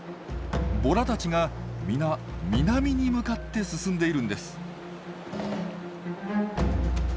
ボラたちがみな南に向かって進んでいるんです。